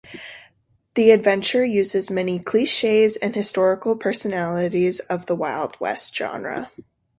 The adventure uses many cliches and historical personalities of the Wild West genre.